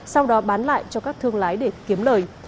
sau đó bán lại cho các thương lái để kiếm lời